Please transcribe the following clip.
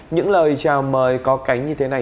những lời chào mời có cánh như thế này